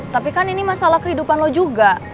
tapi kan ini masalah kehidupan lo juga